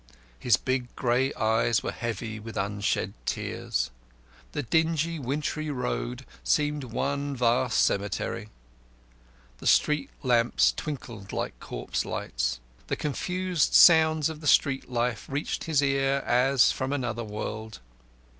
His big grey eyes were heavy with unshed tears. The dingy wintry road seemed one vast cemetery; the street lamps twinkled like corpse lights. The confused sounds of the street life reached his ear as from another world.